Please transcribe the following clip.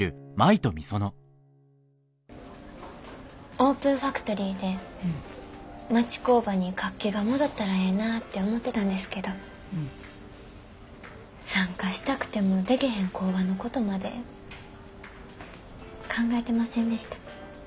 オープンファクトリーで町工場に活気が戻ったらええなって思ってたんですけど参加したくてもでけへん工場のことまで考えてませんでした。